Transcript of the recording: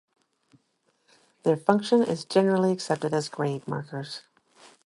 Their function is generally accepted as grave markers.